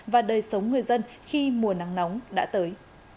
và đời sống người dân khi mùa nắng nóng đã tới